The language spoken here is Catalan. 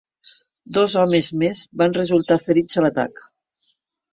Dos homes més van resultar ferits a l'atac.